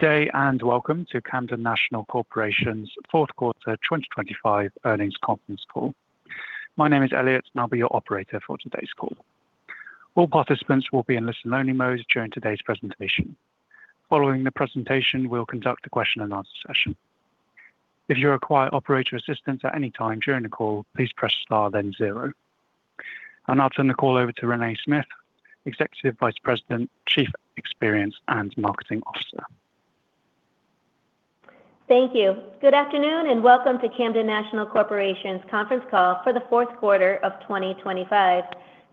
Good day, and welcome to Camden National Corporation's fourth quarter 2025 earnings conference call. My name is Elliot, and I'll be your operator for today's call. All participants will be in listen-only mode during today's presentation. Following the presentation, we'll conduct a question and answer session. If you require operator assistance at any time during the call, please press star, then zero. I'll turn the call over to Renée Smyth, Executive Vice President, Chief Experience and Marketing Officer. Thank you. Good afternoon, and welcome to Camden National Corporation's conference call for the fourth quarter of 2025.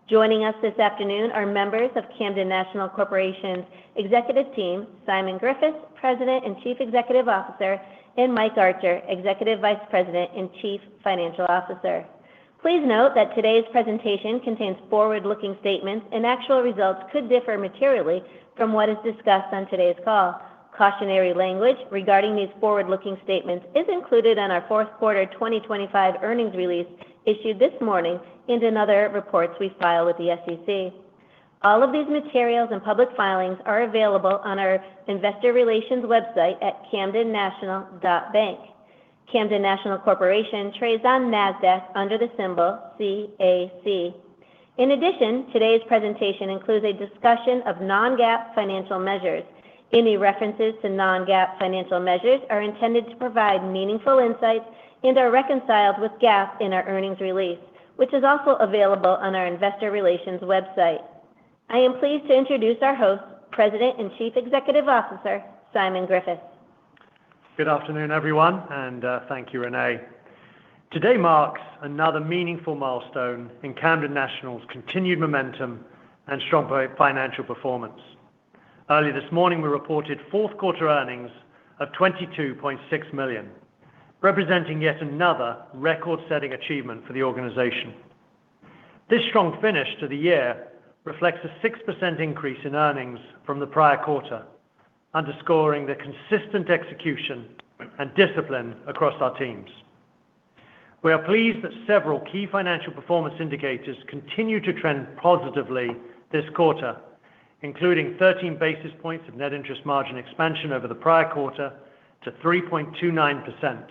Joining us this afternoon are members of Camden National Corporation's executive team, Simon Griffiths, President and Chief Executive Officer, and Mike Archer, Executive Vice President and Chief Financial Officer. Please note that today's presentation contains forward-looking statements, and actual results could differ materially from what is discussed on today's call. Cautionary language regarding these forward-looking statements is included in our fourth quarter 2025 earnings release issued this morning and in other reports we file with the SEC. All of these materials and public filings are available on our investor relations website at camdennational.bank. Camden National Corporation trades on NASDAQ under the symbol CAC. In addition, today's presentation includes a discussion of non-GAAP financial measures. Any references to non-GAAP financial measures are intended to provide meaningful insights and are reconciled with GAAP in our earnings release, which is also available on our investor relations website. I am pleased to introduce our host, President and Chief Executive Officer, Simon Griffiths. Good afternoon, everyone, and, thank you, Renée. Today marks another meaningful milestone in Camden National's continued momentum and strong financial performance. Earlier this morning, we reported fourth quarter earnings of $22.6 million, representing yet another record-setting achievement for the organization. This strong finish to the year reflects a 6% increase in earnings from the prior quarter, underscoring the consistent execution and discipline across our teams. We are pleased that several key financial performance indicators continue to trend positively this quarter, including 13 basis points of net interest margin expansion over the prior quarter to 3.29%,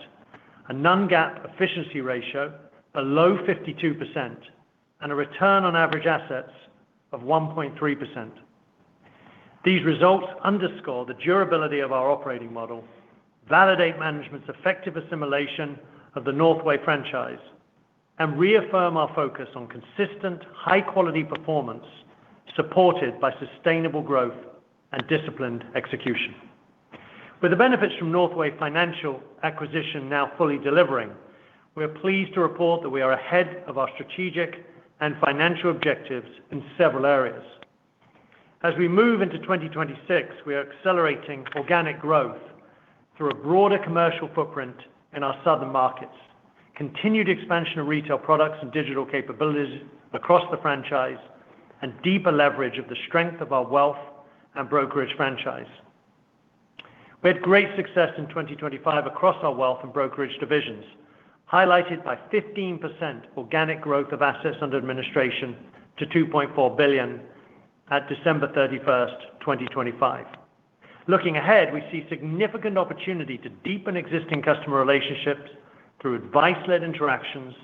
a non-GAAP efficiency ratio below 52%, and a return on average assets of 1.3%. These results underscore the durability of our operating model, validate management's effective assimilation of the Northway franchise, and reaffirm our focus on consistent, high-quality performance, supported by sustainable growth and disciplined execution. With the benefits from Northway Financial acquisition now fully delivering, we are pleased to report that we are ahead of our strategic and financial objectives in several areas. As we move into 2026, we are accelerating organic growth through a broader commercial footprint in our southern markets, continued expansion of retail products and digital capabilities across the franchise, and deeper leverage of the strength of our wealth and brokerage franchise. We had great success in 2025 across our wealth and brokerage divisions, highlighted by 15% organic growth of assets under administration to $2.4 billion at December 31, 2025. Looking ahead, we see significant opportunity to deepen existing customer relationships through advice-led interactions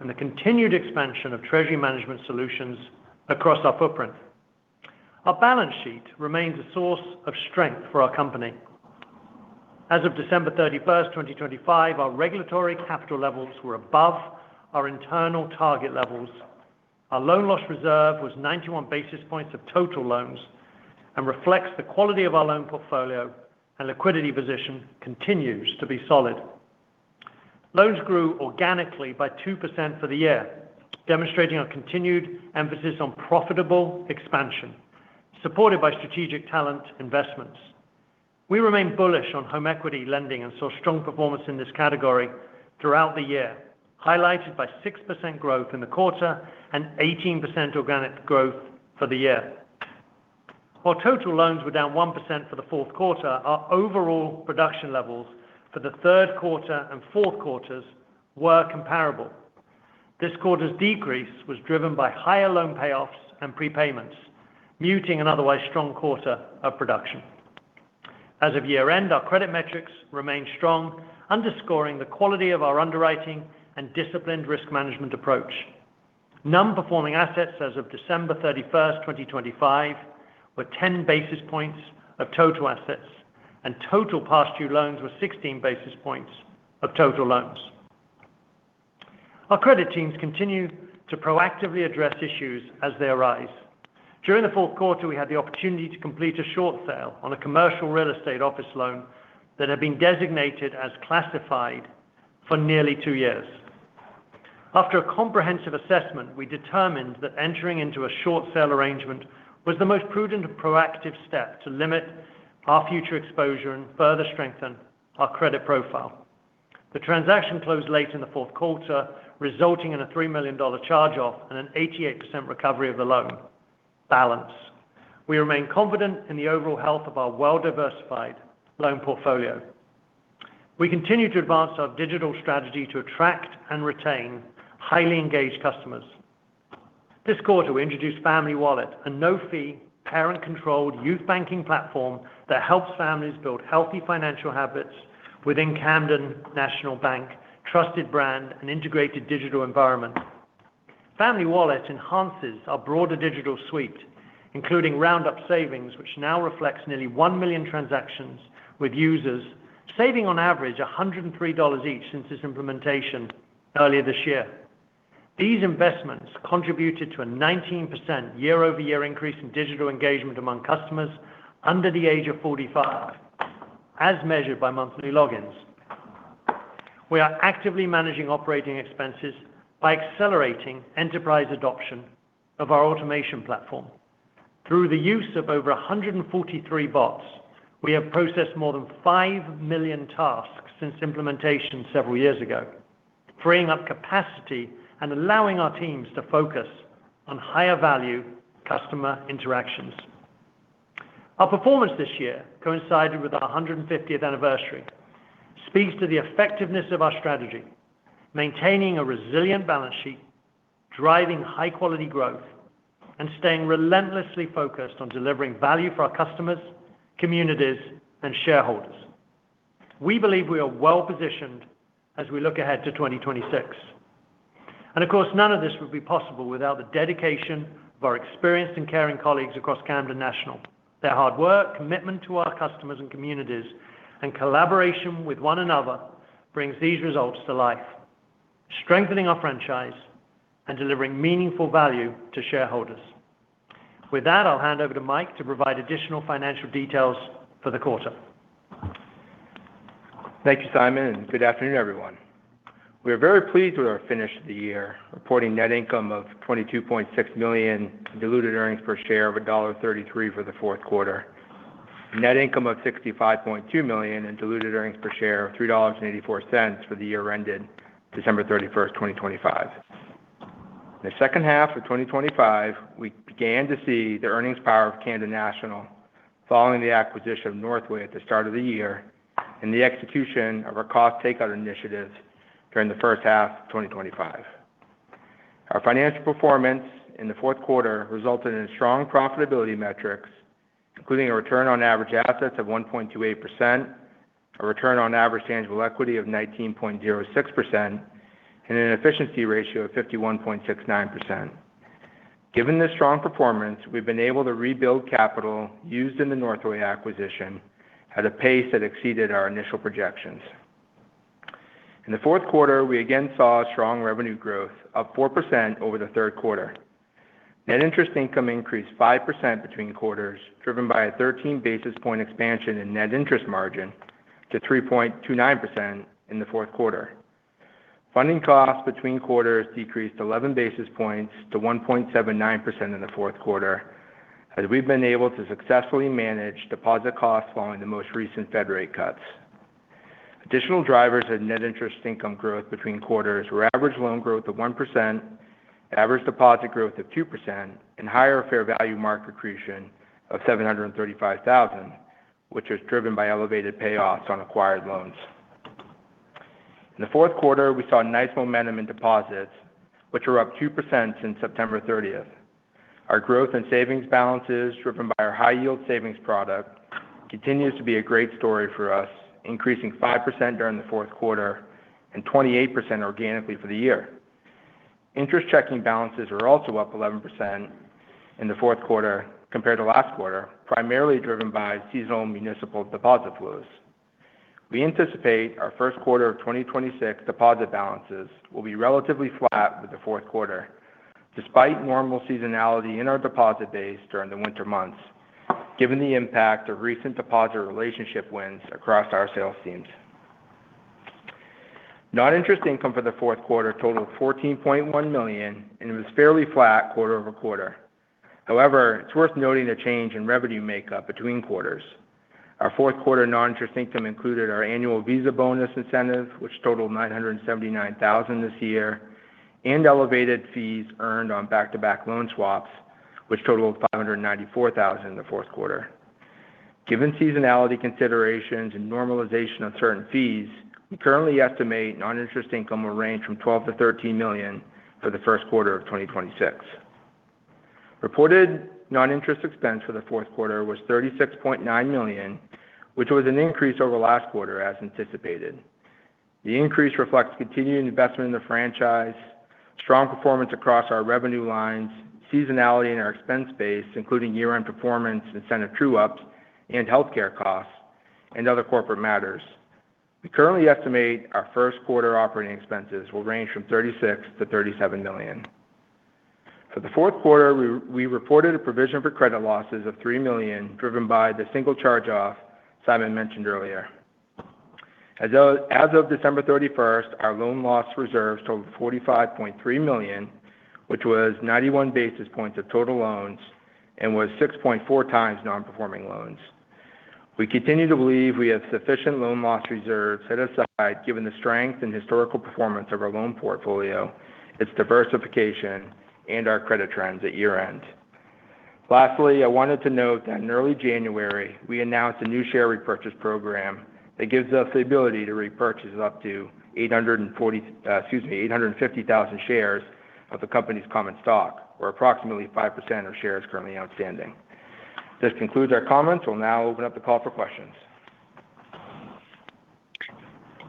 and the continued expansion of treasury management solutions across our footprint. Our balance sheet remains a source of strength for our company. As of December 31, 2025, our regulatory capital levels were above our internal target levels. Our loan loss reserve was 91 basis points of total loans and reflects the quality of our loan portfolio, and liquidity position continues to be solid. Loans grew organically by 2% for the year, demonstrating our continued emphasis on profitable expansion, supported by strategic talent investments. We remain bullish on home equity lending and saw strong performance in this category throughout the year, highlighted by 6% growth in the quarter and 18% organic growth for the year. While total loans were down 1% for the fourth quarter, our overall production levels for the third quarter and fourth quarters were comparable. This quarter's decrease was driven by higher loan payoffs and prepayments, muting an otherwise strong quarter of production. As of year-end, our credit metrics remained strong, underscoring the quality of our underwriting and disciplined risk management approach. Non-performing assets as of December 31, 2025, were 10 basis points of total assets, and total past due loans were 16 basis points of total loans. Our credit teams continue to proactively address issues as they arise. During the fourth quarter, we had the opportunity to complete a short sale on a commercial real estate office loan that had been designated as classified for nearly two years. After a comprehensive assessment, we determined that entering into a short sale arrangement was the most prudent and proactive step to limit our future exposure and further strengthen our credit profile. The transaction closed late in the fourth quarter, resulting in a $3 million charge-off and an 88% recovery of the loan balance. We remain confident in the overall health of our well-diversified loan portfolio. We continue to advance our digital strategy to attract and retain highly engaged customers. This quarter, we introduced Family Wallet, a no-fee, parent-controlled youth banking platform that helps families build healthy financial habits within Camden National Bank, trusted brand, and integrated digital environment. Family Wallet enhances our broader digital suite, including Round Up Savings, which now reflects nearly 1 million transactions, with users saving on average $103 each since its implementation earlier this year. These investments contributed to a 19% year-over-year increase in digital engagement among customers under the age of 45, as measured by monthly logins. We are actively managing operating expenses by accelerating enterprise adoption of our automation platform. Through the use of over 143 bots, we have processed more than 5 million tasks since implementation several years ago, freeing up capacity and allowing our teams to focus on higher value customer interactions. Our performance this year coincided with our 150th anniversary, speaks to the effectiveness of our strategy, maintaining a resilient balance sheet, driving high-quality growth, and staying relentlessly focused on delivering value for our customers, communities, and shareholders. We believe we are well-positioned as we look ahead to 2026. Of course, none of this would be possible without the dedication of our experienced and caring colleagues across Camden National. Their hard work, commitment to our customers and communities, and collaboration with one another brings these results to life, strengthening our franchise and delivering meaningful value to shareholders. With that, I'll hand over to Mike to provide additional financial details for the quarter. Thank you, Simon, and good afternoon, everyone. We are very pleased with our finish of the year, reporting net income of $22.6 million, diluted earnings per share of $1.33 for the fourth quarter. Net income of $65.2 million and diluted earnings per share of $3.84 for the year ended December 31, 2025. In the second half of 2025, we began to see the earnings power of Camden National following the acquisition of Northway at the start of the year and the execution of our cost takeout initiatives during the first half of 2025. Our financial performance in the fourth quarter resulted in strong profitability metrics, including a return on average assets of 1.28%, a return on average tangible equity of 19.06%, and an efficiency ratio of 51.69%. Given this strong performance, we've been able to rebuild capital used in the Northway acquisition at a pace that exceeded our initial projections. In the fourth quarter, we again saw a strong revenue growth of 4% over the third quarter. Net interest income increased 5% between quarters, driven by a 13 basis point expansion in net interest margin to 3.29% in the fourth quarter. Funding costs between quarters decreased 11 basis points to 1.79% in the fourth quarter, as we've been able to successfully manage deposit costs following the most recent Fed rate cuts. Additional drivers in net interest income growth between quarters were average loan growth of 1%, average deposit growth of 2%, and higher fair value mark accretion of $735,000, which was driven by elevated payoffs on acquired loans. In the fourth quarter, we saw a nice momentum in deposits, which were up 2% since September 30th. Our growth in savings balances, driven by our high-yield savings product, continues to be a great story for us, increasing 5% during the fourth quarter and 28% organically for the year. Interest checking balances are also up 11% in the fourth quarter compared to last quarter, primarily driven by seasonal municipal deposit flows. We anticipate our first quarter of 2026 deposit balances will be relatively flat with the fourth quarter, despite normal seasonality in our deposit base during the winter months, given the impact of recent deposit relationship wins across our sales teams. Non-interest income for the fourth quarter totaled $14.1 million, and it was fairly flat quarter-over-quarter. However, it's worth noting the change in revenue makeup between quarters. Our fourth quarter non-interest income included our annual Visa bonus incentive, which totaled $979,000 this year, and elevated fees earned on back-to-back loan swaps, which totaled $594,000 in the fourth quarter. Given seasonality considerations and normalization of certain fees, we currently estimate non-interest income will range from $12 million-$13 million for the first quarter of 2026. Reported non-interest expense for the fourth quarter was $36.9 million, which was an increase over last quarter, as anticipated. The increase reflects continuing investment in the franchise, strong performance across our revenue lines, seasonality in our expense base, including year-end performance, incentive true ups, and healthcare costs, and other corporate matters. We currently estimate our first quarter operating expenses will range from $36 million-$37 million. For the fourth quarter, we reported a provision for credit losses of $3 million, driven by the single charge-off Simon mentioned earlier. As of December 31st, our loan loss reserves totaled $45.3 million, which was 91 basis points of total loans and was 6.4 times non-performing loans. We continue to believe we have sufficient loan loss reserves set aside, given the strength and historical performance of our loan portfolio, its diversification, and our credit trends at year-end. Lastly, I wanted to note that in early January, we announced a new share repurchase program that gives us the ability to repurchase up to 850,000 shares of the company's common stock, or approximately 5% of shares currently outstanding. This concludes our comments. We'll now open up the call for questions.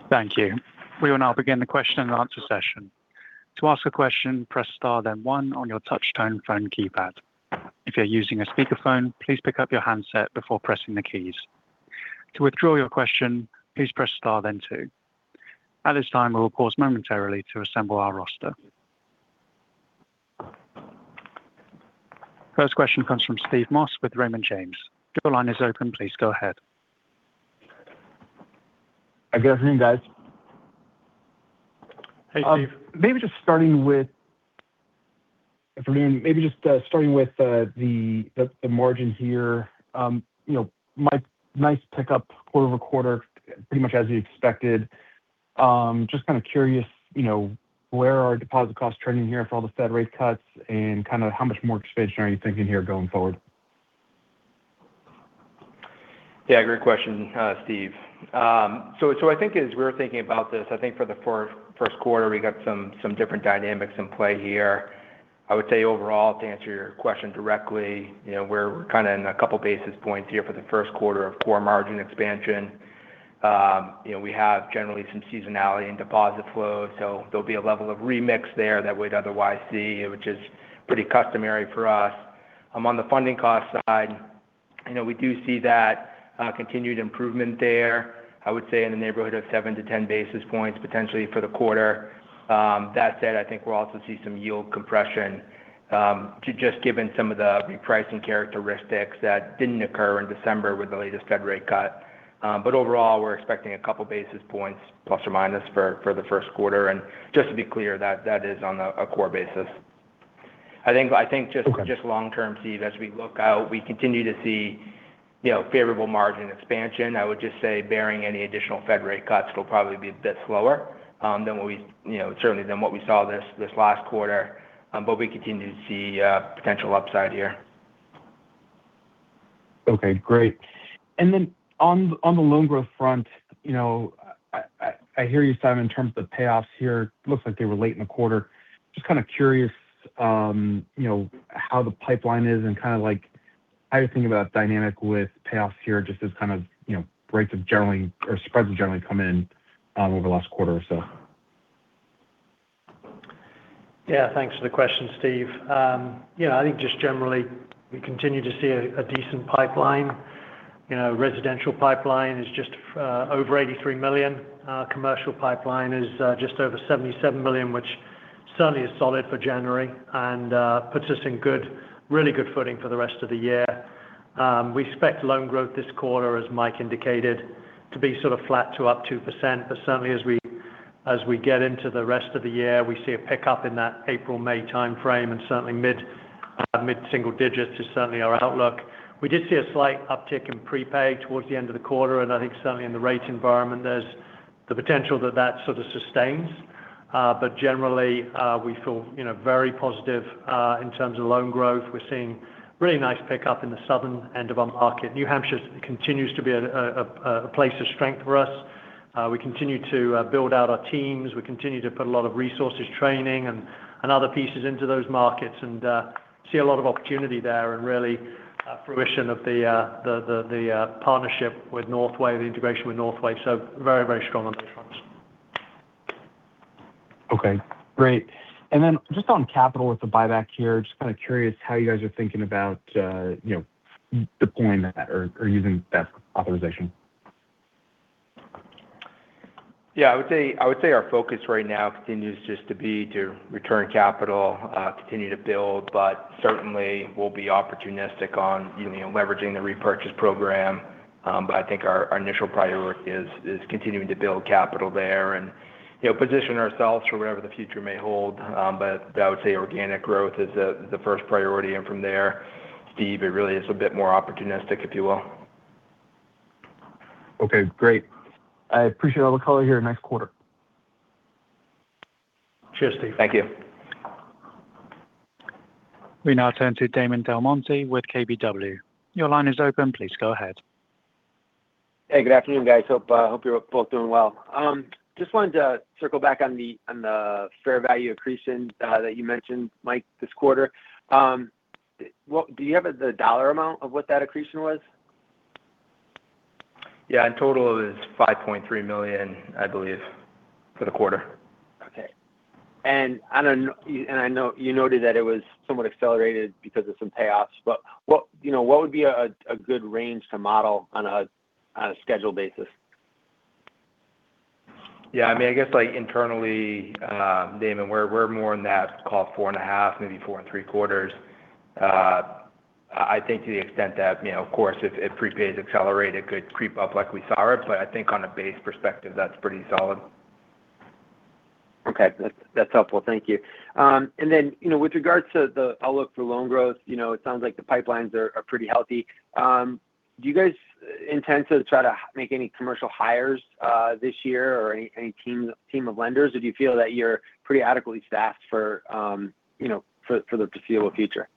Thank you. We will now begin the question and answer session. To ask a question, press star, then one on your touchtone phone keypad. If you're using a speakerphone, please pick up your handset before pressing the keys. To withdraw your question, please press star, then two. At this time, we will pause momentarily to assemble our roster. First question comes from Steve Moss with Raymond James. Your line is open. Please go ahead. Good afternoon, guys. Hey, Steve. Maybe just starting with, if we may, the margins here. You know, nice pickup quarter-over-quarter, pretty much as you expected. Just kind of curious, you know, where are our deposit costs trending here for all the Fed rate cuts? And kind of how much more expansion are you thinking here going forward? Yeah, great question, Steve. So I think as we're thinking about this, I think for the first quarter, we got some different dynamics in play here. I would say overall, to answer your question directly, you know, we're kind of in a couple basis points here for the first quarter of poor margin expansion. You know, we have generally some seasonality in deposit flow, so there'll be a level of remix there that we'd otherwise see, which is pretty customary for us. On the funding cost side, I know we do see that continued improvement there. I would say in the neighborhood of 7-10 basis points, potentially for the quarter. That said, I think we'll also see some yield compression, to just given some of the repricing characteristics that didn't occur in December with the latest Fed rate cut. But overall, we're expecting a couple basis points plus/minus for the first quarter. And just to be clear, that is on a core basis, I think. Just long term, Steve, as we look out, we continue to see, you know, favorable margin expansion. I would just say, bearing any additional Fed rate cuts, it'll probably be a bit slower than what we, you know, certainly than what we saw this last quarter. But we continue to see potential upside here. Okay, great. And then on the loan growth front, you know, I hear you, Simon, in terms of the payoffs here. Looks like they were late in the quarter. Just kind of curious, you know, how the pipeline is and kind of like how you think about dynamic with payoffs here, just as kind of, you know, rates have generally or spreads have generally come in over the last quarter or so. Yeah, thanks for the question, Steve. You know, I think just generally, we continue to see a decent pipeline. You know, residential pipeline is just over $83 million. Commercial pipeline is just over $77 million, which certainly is solid for January and puts us in good, really good footing for the rest of the year. We expect loan growth this quarter, as Mike indicated, to be sort of flat to up 2%. But certainly as we get into the rest of the year, we see a pickup in that April-May time frame, and certainly mid-single digits is certainly our outlook. We did see a slight uptick in prepaid towards the end of the quarter, and I think certainly in the rate environment, there's the potential that that sort of sustains. But generally, we feel, you know, very positive in terms of loan growth. We're seeing really nice pickup in the southern end of our market. New Hampshire continues to be a place of strength for us. We continue to build out our teams. We continue to put a lot of resources, training, and other pieces into those markets and see a lot of opportunity there and really fruition of the partnership with Northway, the integration with Northway. So very, very strong on those fronts. Okay, great. And then just on capital with the buyback here, just kind of curious how you guys are thinking about, you know, deploying that or, or using that authorization? Yeah, I would say, I would say our focus right now continues just to be to return capital, continue to build, but certainly we'll be opportunistic on, you know, leveraging the repurchase program. But I think our, our initial priority is, is continuing to build capital there and, you know, position ourselves for whatever the future may hold. But I would say organic growth is the, the first priority, and from there, Steve, it really is a bit more opportunistic, if you will. Okay, great. I appreciate all the color here. Nice quarter. Cheers, Steve. Thank you. We now turn to Damon DelMonte with KBW. Your line is open. Please go ahead. Hey, good afternoon, guys. Hope, hope you're both doing well. Just wanted to circle back on the fair value accretion that you mentioned, Mike, this quarter. What do you have the dollar amount of what that accretion was? Yeah, in total, it is $5.3 million, I believe, for the quarter. Okay. And I don't know And I know you noted that it was somewhat accelerated because of some payoffs, but what, you know, what would be a, a good range to model on a, on a scheduled basis? Yeah, I mean, I guess, like, internally, Damon, we're more in that call, 4.5, maybe 4.75. I think to the extent that, you know, of course, if prepay is accelerated, it could creep up like we saw it, but I think on a base perspective, that's pretty solid. Okay. That's, that's helpful. Thank you. And then, you know, with regards to the outlook for loan growth, you know, it sounds like the pipelines are, are pretty healthy. Do you guys intend to try to make any commercial hires, this year or any, any team, team of lenders? Or do you feel that you're pretty adequately staffed for, you know, for, for the foreseeable future?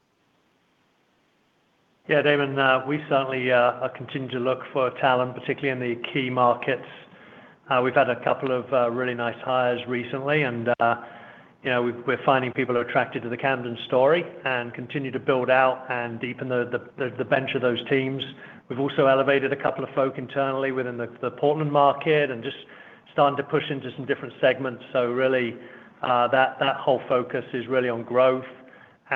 Yeah, Damon, we certainly continue to look for talent, particularly in the key markets. We've had a couple of really nice hires recently, and, you know, we're finding people are attracted to the Camden story and continue to build out and deepen the bench of those teams. We've also elevated a couple of folks internally within the Portland market and just starting to push into some different segments. So really, that whole focus is really on growth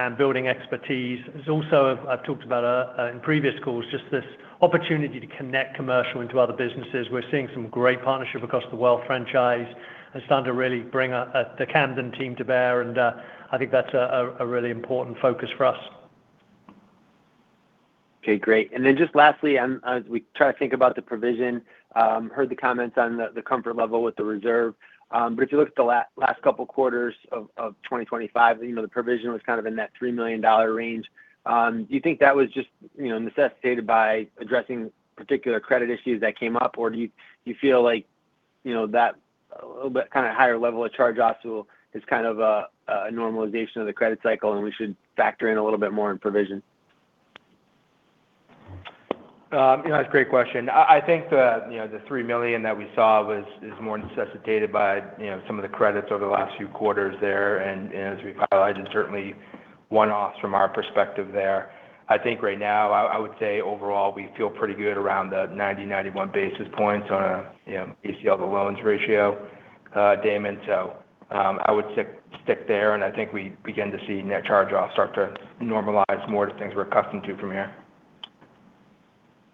and building expertise. There's also. I've talked about, in previous calls, just this opportunity to connect commercial into other businesses. We're seeing some great partnership across the whole franchise and starting to really bring the Camden team to bear, and, I think that's a really important focus for us. Okay, great. And then just lastly, as we try to think about the provision, heard the comments on the, the comfort level with the reserve. But if you look at the last couple quarters of 2025, you know, the provision was kind of in that $3 million range. Do you think that was just, you know, necessitated by addressing particular credit issues that came up? Or do you feel like, you know, that a little bit kinda higher level of charge-off is kind of a normalization of the credit cycle, and we should factor in a little bit more in provision? You know, that's a great question. I, I think the, you know, the $3 million that we saw is more necessitated by, you know, some of the credits over the last few quarters there. And as we've highlighted, certainly one-offs from our perspective there. I think right now, I, I would say overall, we feel pretty good around the 90-91 basis points on a, you know, ECL to loans ratio, Damon. So, I would stick there, and I think we begin to see net charge-off start to normalize more to things we're accustomed to from here.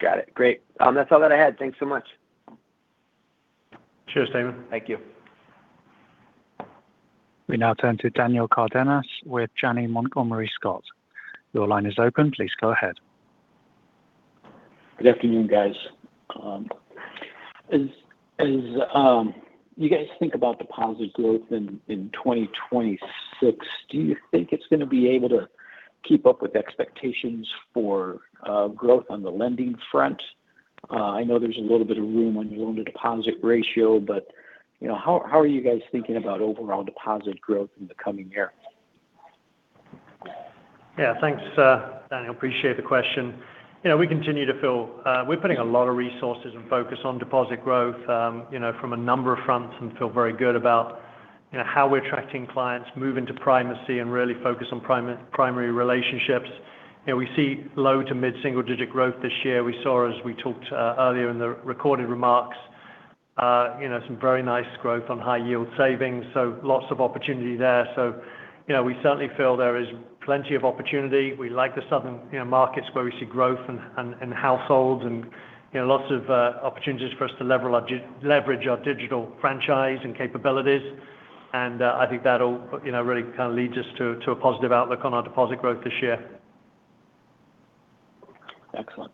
Got it. Great. That's all that I had. Thanks so much. Cheers, Damon. Thank you. We now turn to Daniel Cardenas with Janney Montgomery Scott. Your line is open. Please go ahead. Good afternoon, guys. As you guys think about deposit growth in 2026, do you think it's gonna be able to keep up with expectations for growth on the lending front? I know there's a little bit of room on your loan-to-deposit ratio, but, you know, how are you guys thinking about overall deposit growth in the coming year? Yeah, thanks, Daniel. Appreciate the question. You know, we continue to feel, we're putting a lot of resources and focus on deposit growth, you know, from a number of fronts, and feel very good about, you know, how we're attracting clients, moving to primacy, and really focus on primary relationships. You know, we see low to mid-single-digit growth this year. We saw, as we talked, earlier in the recorded remarks, you know, some very nice growth on high-yield savings, so lots of opportunity there. So, you know, we certainly feel there is plenty of opportunity. We like the southern, you know, markets where we see growth and households and, you know, lots of opportunities for us to leverage our digital franchise and capabilities. I think that all, you know, really kind of leads us to a positive outlook on our deposit growth this year. Excellent.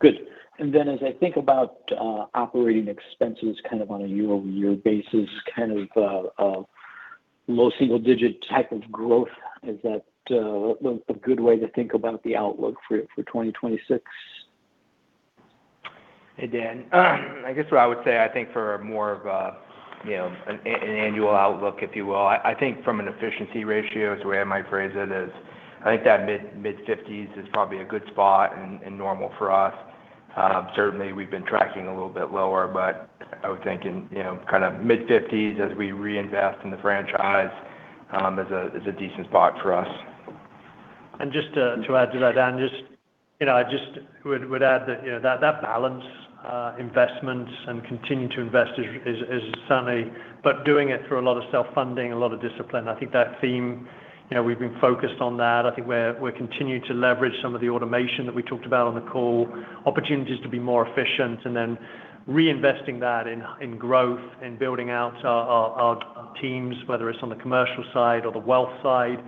Good. And then as I think about operating expenses kind of on a year-over-year basis, kind of low single digit type of growth, is that a good way to think about the outlook for 2026? Hey, Dan, I guess what I would say, I think for more of a, you know, an annual outlook, if you will, I think from an efficiency ratio, is the way I might phrase it, is I think that mid-50s is probably a good spot and normal for us. Certainly, we've been tracking a little bit lower, but I would think in, you know, kind of mid-50s as we reinvest in the franchise, is a decent spot for us. And just to add to that, Dan, you know, I would add that, you know, that balance of investment and continue to invest is certainly, but doing it through a lot of self-funding, a lot of discipline. I think that theme, you know, we've been focused on that. I think we're continuing to leverage some of the automation that we talked about on the call, opportunities to be more efficient, and then reinvesting that in growth, in building out our teams, whether it's on the commercial side or the wealth side,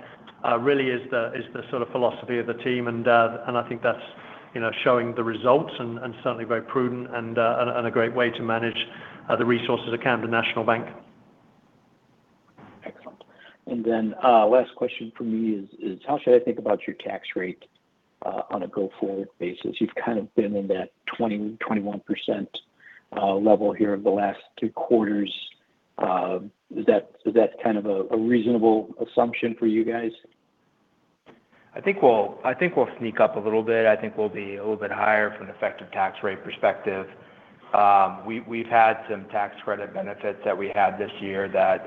really is the sort of philosophy of the team. And I think that's, you know, showing the results and certainly very prudent and a great way to manage the resources at Camden National Bank. Excellent. And then, last question for me is, is how should I think about your tax rate on a go-forward basis? You've kind of been in that 20%-21% level here over the last two quarters. Is that kind of a reasonable assumption for you guys? I think we'll sneak up a little bit. I think we'll be a little bit higher from an effective tax rate perspective. We've had some tax credit benefits that we had this year that,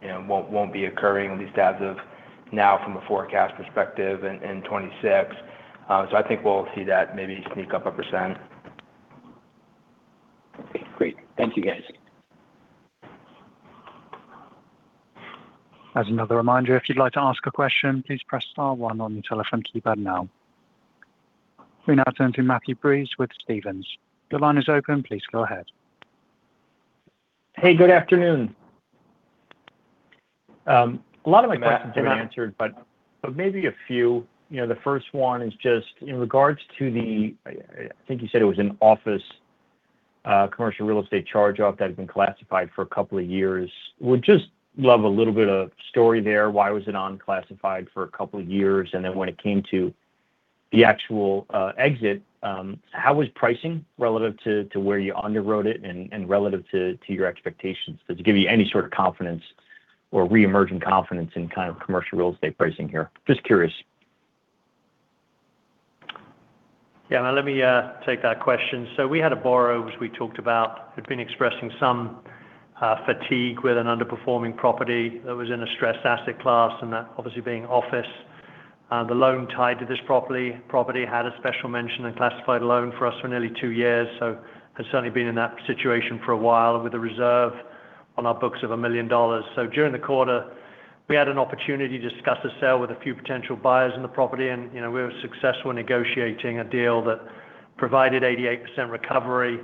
you know, won't be occurring at least as of now from a forecast perspective in 2026. So I think we'll see that maybe sneak up 1%. Okay, great. Thank you, guys. As another reminder, if you'd like to ask a question, please press star one on your telephone keypad now. We now turn to Matthew Breese with Stephens. The line is open. Please go ahead. Hey, good afternoon. A lot of my questions have been answered, but maybe a few. You know, the first one is just in regards to the, I think you said it was an office- Commercial real estate charge-off that had been classified for a couple of years. Would just love a little bit of story there. Why was it on classified for a couple of years? And then when it came to the actual exit, how was pricing relative to where you underwrote it and relative to your expectations? Does it give you any sort of confidence or reemerging confidence in kind of commercial real estate pricing here? Just curious. Yeah, let me take that question. So we had a borrower, which we talked about, who'd been expressing some fatigue with an underperforming property that was in a stressed asset class, and that obviously being office. The loan tied to this property had a special mention and classified loan for us for nearly two years, so has certainly been in that situation for a while with a reserve on our books of $1 million. So during the quarter, we had an opportunity to discuss a sale with a few potential buyers in the property, and, you know, we were successful in negotiating a deal that provided 88% recovery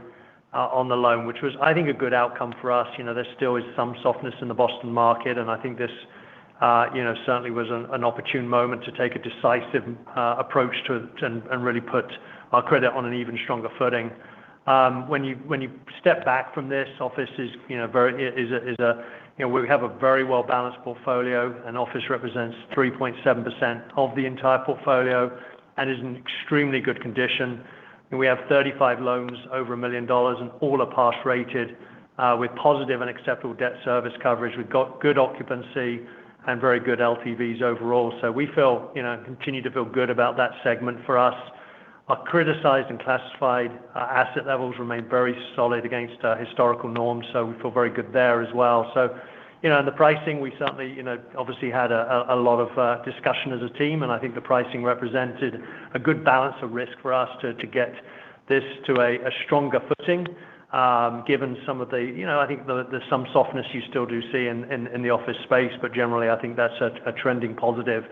on the loan, which was, I think, a good outcome for us. You know, there still is some softness in the Boston market, and I think this, you know, certainly was an opportune moment to take a decisive approach to and really put our credit on an even stronger footing. When you step back from this office is, you know, is a, you know, we have a very well-balanced portfolio, and office represents 3.7% of the entire portfolio and is in extremely good condition. And we have 35 loans, over million dollars, and all are pass-rated with positive and acceptable debt service coverage. We've got good occupancy and very good LTVs overall. So we feel, you know, continue to feel good about that segment. For us, our criticized and classified asset levels remain very solid against historical norms, so we feel very good there as well. So, you know, and the pricing, we certainly, you know, obviously had a lot of discussion as a team, and I think the pricing represented a good balance of risk for us to get this to a stronger footing. Given some of the, you know, I think there's some softness you still do see in the office space, but generally, I think that's a trending positive.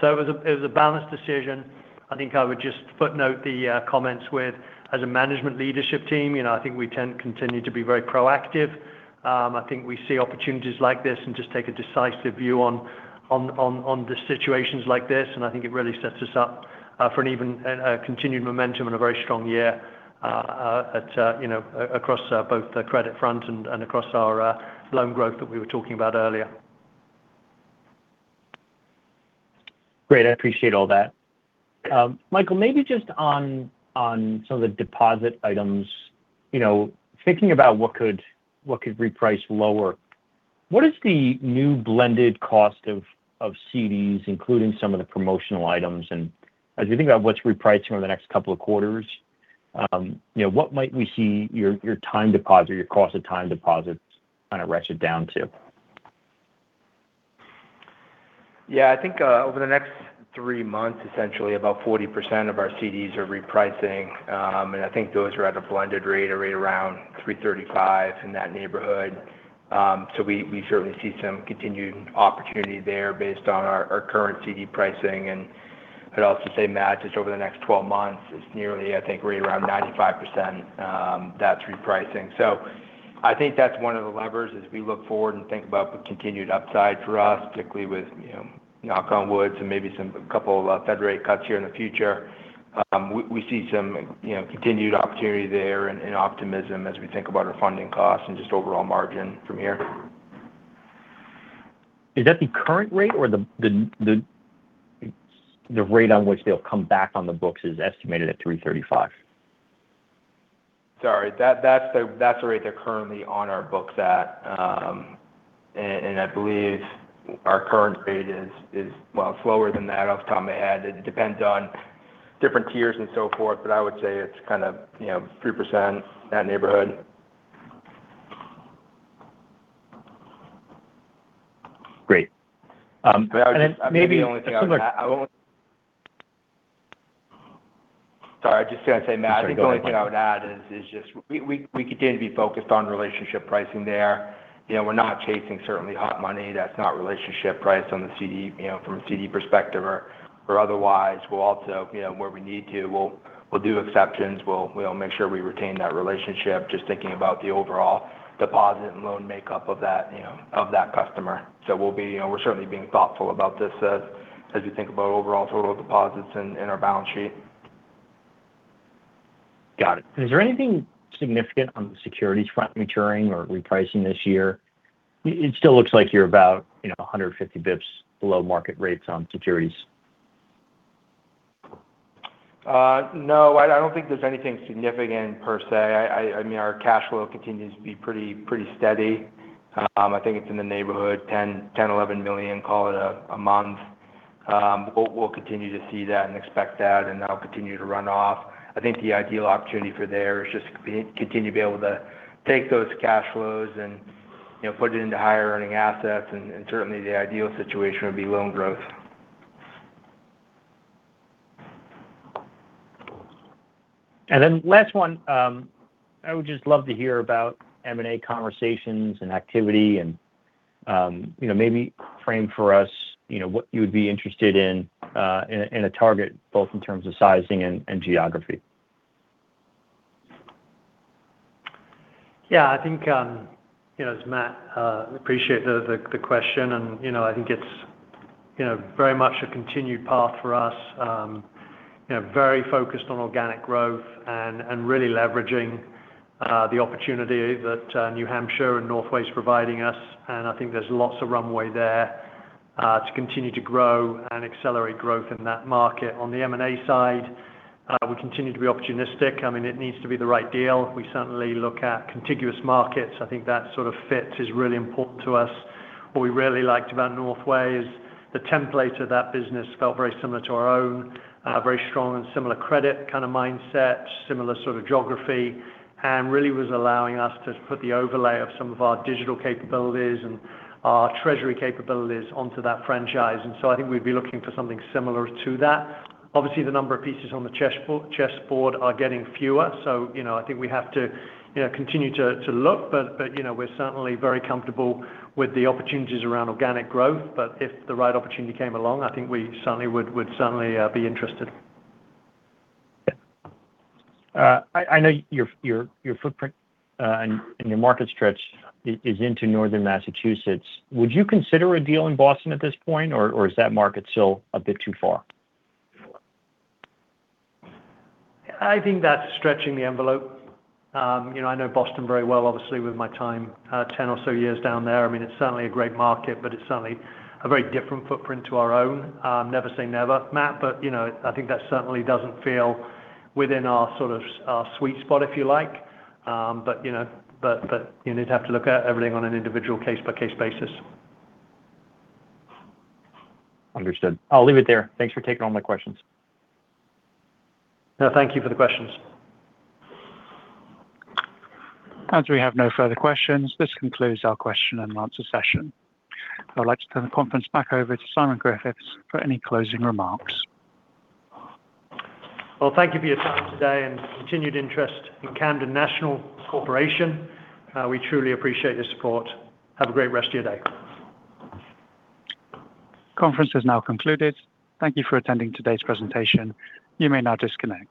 So it was a balanced decision. I think I would just footnote the comments with, as a management leadership team, you know, I think we tend to continue to be very proactive. I think we see opportunities like this and just take a decisive view on the situations like this, and I think it really sets us up for an even continued momentum and a very strong year, you know, across both the credit front and across our loan growth that we were talking about earlier. Great. I appreciate all that. Michael, maybe just on some of the deposit items. You know, thinking about what could reprice lower, what is the new blended cost of CDs, including some of the promotional items? And as you think about what's repricing over the next couple of quarters, you know, what might we see your time deposit, or your cost of time deposits kind of ratchet down to? Yeah, I think over the next three months, essentially about 40% of our CDs are repricing. And I think those are at a blended rate, a rate around 3.35 in that neighborhood. So we certainly see some continued opportunity there based on our current CD pricing. And I'd also say, Matt, just over the next twelve months, it's nearly, I think, right around 95%, that's repricing. So I think that's one of the levers as we look forward and think about the continued upside for us, particularly with, you know, knock on wood, so maybe some couple of Fed rate cuts here in the future. We see some, you know, continued opportunity there and optimism as we think about our funding costs and just overall margin from here. Is that the current rate or the rate on which they'll come back on the books is estimated at 3.35? Sorry, that's the rate they're currently on our books at. I believe our current rate is, well, slower than that off the top of my head. It depends on different tiers and so forth, but I would say it's kind of, you know, 3%, that neighborhood. Great. Maybe- Sorry, I just gotta say, Matt, I think the only thing I would add is just we continue to be focused on relationship pricing there. You know, we're not chasing certainly hot money that's not relationship price on the CD, you know, from a CD perspective or otherwise. We'll also, you know, where we need to, we'll do exceptions. We'll make sure we retain that relationship, just thinking about the overall deposit and loan makeup of that, you know, of that customer. So we'll be, you know, we're certainly being thoughtful about this as we think about overall total deposits in our balance sheet. Got it. Is there anything significant on the securities front maturing or repricing this year? It still looks like you're about, you know, 150 basis points below market rates on securities. No, I don't think there's anything significant per se. I mean, our cash flow continues to be pretty steady. I think it's in the neighborhood of $10 million-$11 million a month. We'll continue to see that and expect that, and that'll continue to run off. I think the ideal opportunity for there is just to continue to be able to take those cash flows and, you know, put it into higher earning assets, and certainly, the ideal situation would be loan growth. Then last one, I would just love to hear about M&A conversations and activity and, you know, maybe frame for us, you know, what you would be interested in, in a target, both in terms of sizing and geography. Yeah, I think, you know, as Matt, appreciate the question, and, you know, I think. You know, very much a continued path for us, you know, very focused on organic growth and really leveraging the opportunity that New Hampshire and Northway is providing us, and I think there's lots of runway there to continue to grow and accelerate growth in that market. On the M&A side, we continue to be opportunistic. I mean, it needs to be the right deal. We certainly look at contiguous markets. I think that sort of fit is really important to us. What we really liked about Northway is the template of that business felt very similar to our own, very strong and similar credit kind of mindset, similar sort of geography, and really was allowing us to put the overlay of some of our digital capabilities and our treasury capabilities onto that franchise. And so I think we'd be looking for something similar to that. Obviously, the number of pieces on the chessboard are getting fewer. So, you know, I think we have to, you know, continue to look, but, you know, we're certainly very comfortable with the opportunities around organic growth. But if the right opportunity came along, I think we certainly would certainly be interested. I know your footprint and your market stretch is into northern Massachusetts. Would you consider a deal in Boston at this point, or is that market still a bit too far? I think that's stretching the envelope. You know, I know Boston very well, obviously, with my time, 10 or so years down there. I mean, it's certainly a great market, but it's certainly a very different footprint to our own. Never say never, Matt, but, you know, I think that certainly doesn't feel within our sort of our sweet spot, if you like. But, you know, but, but you need to have to look at everything on an individual case-by-case basis. Understood. I'll leave it there. Thanks for taking all my questions. No, thank you for the questions. As we have no further questions, this concludes our question and answer session. I'd like to turn the conference back over to Simon Griffiths for any closing remarks. Well, thank you for your time today and continued interest in Camden National Corporation. We truly appreciate your support. Have a great rest of your day. Conference is now concluded. Thank you for attending today's presentation. You may now disconnect.